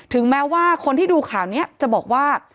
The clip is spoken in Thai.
แม้ว่าคนที่ดูข่าวนี้จะบอกว่า